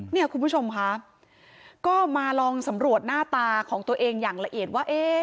เนี่ยคุณผู้ชมค่ะก็มาลองสำรวจหน้าตาของตัวเองอย่างละเอียดว่า